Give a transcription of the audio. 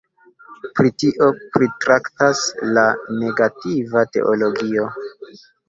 Pri tio pritraktas la negativa teologio.